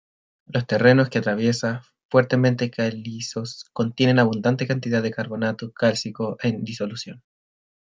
Los terrenos que atraviesa, fuertemente calizos, contienen abundante cantidad de carbonato cálcico en disolución.